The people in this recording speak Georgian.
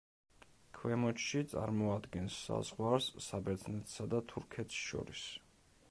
ქვემოთში წარმოადგენს საზღვარს საბერძნეთსა და თურქეთს შორის.